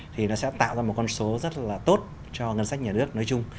thì nó sẽ tạo ra một con số rất là tốt cho ngân sách nhà nước nói chung